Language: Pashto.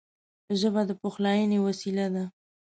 ژبه د پخلاینې وسیله ده